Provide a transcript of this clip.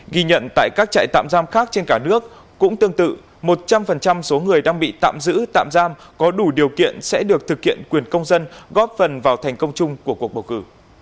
ghi nhận tại các trại tạm giam khác trên cả nước cũng tương tự một trăm linh số người đang bị tạm giữ tạm giam có đủ điều kiện sẽ được thực hiện quyền công dân góp phần vào thành công chung của cuộc bầu cử